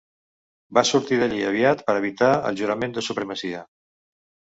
Va sortir d'allí aviat per evitar el Jurament de Supremacia.